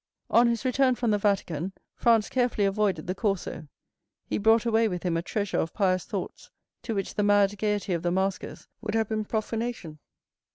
On his return from the Vatican, Franz carefully avoided the Corso; he brought away with him a treasure of pious thoughts, to which the mad gayety of the maskers would have been profanation.